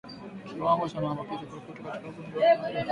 Kiwango cha maambukizi ya ukurutu katika kundi la mifugo